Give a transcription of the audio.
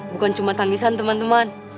bukan cuma tangisan teman teman